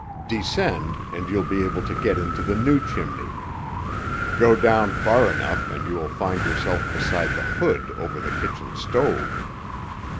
Descend, and you'll be able to get into the new chimney. Go down far enough and you will find yourself beside the hood over the kitchen stove.